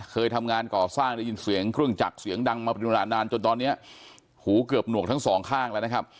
เคยทำงานก่อสร้างได้ยินเสียงเครื่องจักรเสียงดังมาเป็นเวลานานจนตอนนี้หูเกือบหนวกทั้งสองข้างแล้วนะครับ